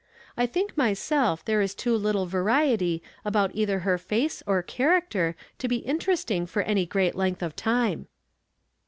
1 think myself there is too little variety about either her face or character to be interesting for any great length of time."